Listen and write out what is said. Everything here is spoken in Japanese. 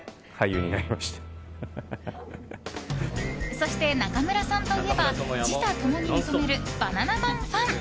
そして、中村さんといえば自他共に認めるバナナマンファン。